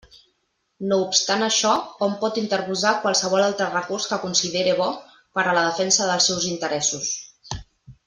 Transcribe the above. No obstant això, hom pot interposar qualsevol altre recurs que considere bo per a la defensa dels seus interessos.